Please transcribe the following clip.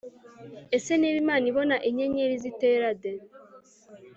ese niba imana ibona inyenyeri zitera de